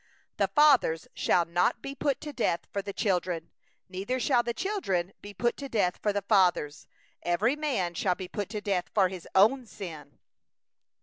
16The fathers shall not be put to death for the children, neither shall the children be put to death for the fathers; every man shall be put to death for his own sin.